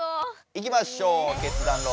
いきましょう。